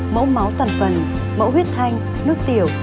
mẫu máu toàn phần mẫu huyết thanh nước tiểu